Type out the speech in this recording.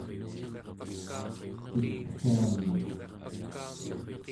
ipgialnguq